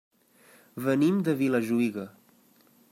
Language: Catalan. Venim de Vilajuïga.